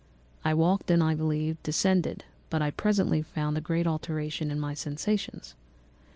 I walked and, I believe, descended, but I presently found a great alteration in my sensations.